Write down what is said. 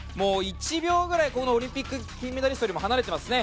１秒くらいオリンピック金メダリストと離れていますよね。